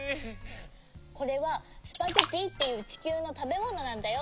これはスパゲッティっていうちきゅうのたべものなんだよ。